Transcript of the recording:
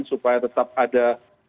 supaya tetap ada